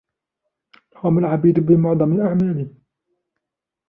قام العبيد بمعظم الأعمال.